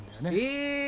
え！